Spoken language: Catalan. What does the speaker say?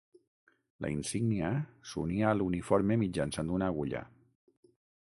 La insígnia s'unia a l'uniforme mitjançant una agulla.